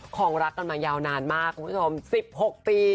ของรักกันมายาวนานมากคุณผู้ชม๑๖ปี